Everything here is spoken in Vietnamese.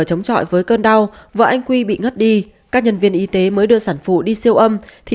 chống chọi với cơn đau và anh quy bị ngất đi các nhân viên y tế mới đưa sản phụ đi siêu âm thì